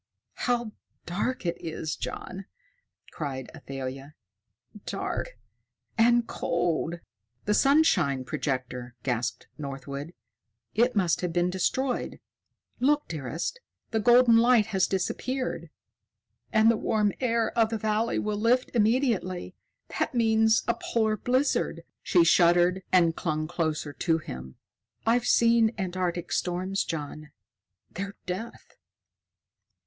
"How dark it is, John!" cried Athalia. "Dark and cold!" "The sunshine projector!" gasped Northwood. "It must have been destroyed. Look, dearest! The golden light has disappeared." "And the warm air of the valley will lift immediately. That means a polar blizzard." She shuddered and clung closer to him. "I've seen Antarctic storms, John. They're death."